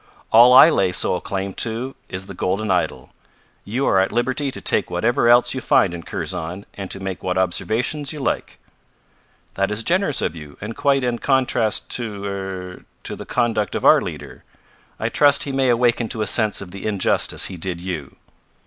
"All I lay sole claim to is the golden idol. You are at liberty to take whatever else you find in Kurzon and to make what observations you like." "That is generous of you, and quite in contrast to er to the conduct of our leader. I trust he may awaken to a sense of the injustice he did you."